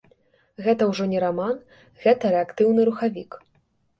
Гэта ўжо не раман, гэта рэактыўны рухавік!